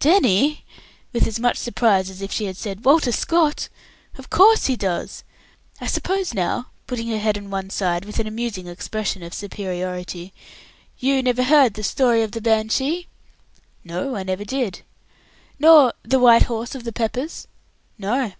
"Danny!" with as much surprise as if she said "Walter Scott!" "Of course he does. I suppose now," putting her head on one side, with an amusing expression of superiority, "you never heard the story of the 'Banshee'?" "No, I never did." "Nor the 'White Horse of the Peppers'?" "No."